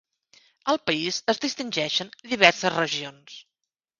Al país es distingeixen diverses regions.